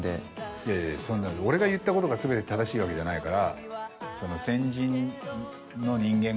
いやいやそんな俺が言ったことが全て正しいわけじゃないから。